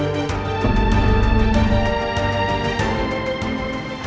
disana gak ya